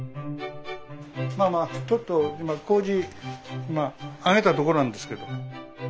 まあまあちょっと今こうじあげたとこなんですけど。